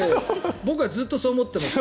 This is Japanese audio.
僕はずっとそう思ってました。